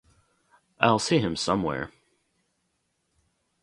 I'll see him somewhere.